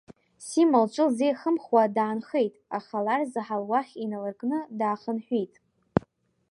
Сима лҿы лзеихымхуа даанхеит, аха ларзаҳал уахь иналыркны даахынҳәит.